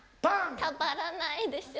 「たまらないでしょ」